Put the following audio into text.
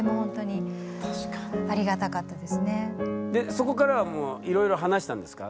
そこからはもういろいろ話したんですか？